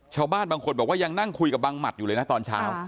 ชาวบ้านบางคนบอกว่ายังนั่งคุยกับบังหมัดอยู่เลยนะตอนเช้า